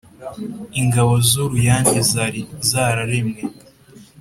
Ingabo z'Uruyange zari zararemwe